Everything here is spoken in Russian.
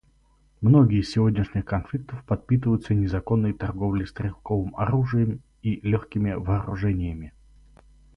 Многие из сегодняшних конфликтов подпитываются незаконной торговлей стрелковым оружием и легкими вооружениями.